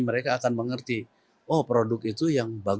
mereka akan mengerti oh produk itu sudah berhasil